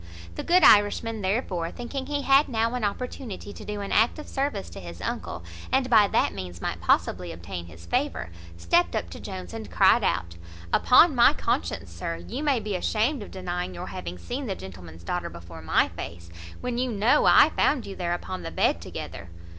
The good Irishman, therefore, thinking he had now an opportunity to do an act of service to his uncle, and by that means might possibly obtain his favour, stept up to Jones, and cried out, "Upon my conscience, sir, you may be ashamed of denying your having seen the gentleman's daughter before my face, when you know I found you there upon the bed together."